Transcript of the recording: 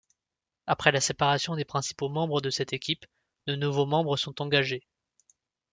Après la séparation des principaux membres de cette équipe, de nouveaux membres sont engagés.